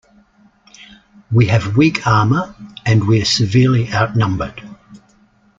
We have weak armor and we're severely outnumbered.